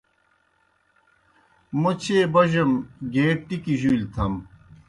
موْ چیئے بوجم، گیے ٹِکیْ جُولیْ تھم۔